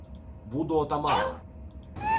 "Буду отаманом!"